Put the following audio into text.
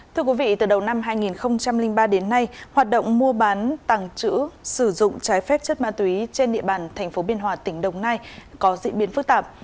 thưa quý vị từ đầu năm hai nghìn ba đến nay hoạt động mua bán tàng trữ sử dụng trái phép chất ma túy trên địa bàn tp biên hòa tỉnh đồng nai có diễn biến phức tạp